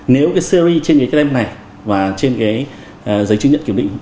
nếu cái series trên cái tem này và trên cái giấy chứng nhận kiểm định